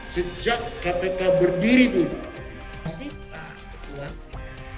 sejak kpk berdiri dulu